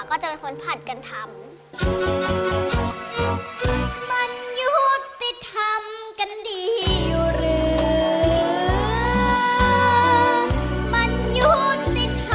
ก็จะเป็นคนผัดกันทำ